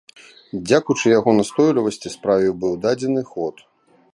Дзякуючы яго настойлівасці справе быў дадзены ход.